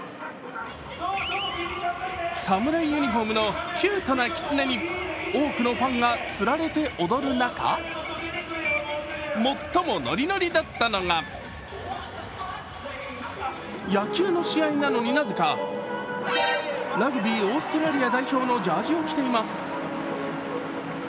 侍ユニフォームのキュートなきつねに、多くのファンがつられて踊る中、最もノリノリだったのが野球の試合なのに、なぜかラグビー・オーストラリア代表のジャージを着ています。